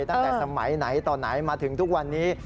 ตั้งแต่สมัยไหนต่อไหนมาถึงทุกวันนี้